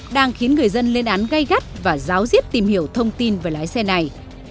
đang khiến người dân lên án gây gắt và ráo riết tìm hiểu thông tin về lái xe này